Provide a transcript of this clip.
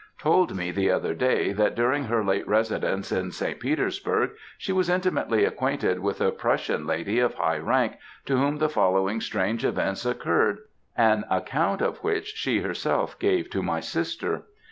"Told me, the other day, that during her late residence in St. Petersburg, she was intimately acquainted with a Prussian lady of high rank, to whom the following strange events occurred, an account of which she herself gave to my sister.